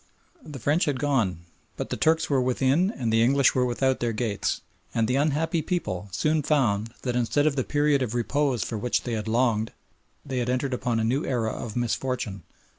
The French had gone but the Turks were within and the English were without their gates, and the unhappy people soon found that instead of the period of repose for which they longed they had entered upon a new era of misfortune.